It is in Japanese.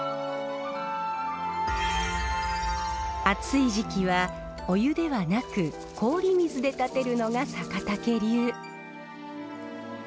暑い時期はお湯ではなく氷水で点てるのが阪田家流。